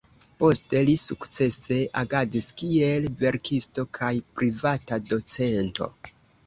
Poste li sukcese agadis kiel verkisto kaj privata docento.